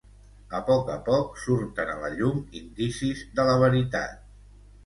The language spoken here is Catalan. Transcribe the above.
A poc a poc, surten a la llum indicis de la veritat.